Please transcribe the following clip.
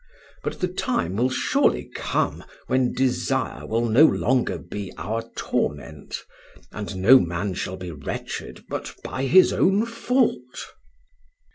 But the time will surely come when desire will no longer be our torment and no man shall be wretched but by his own fault.